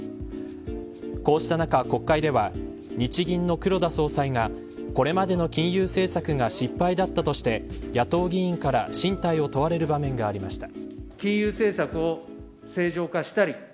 こうした中、国会では日銀の黒田総裁がこれまでの金融政策が失敗だったとして野党議員から進退を問われる場面がありました。